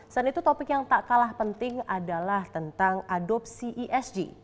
selain itu topik yang tak kalah penting adalah tentang adopsi esg